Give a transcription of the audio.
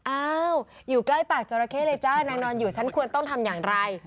อ้าวอยู่ใกล้ปากจราเข้เลยจ้านางนอนอยู่ฉันควรต้องทำอย่างไร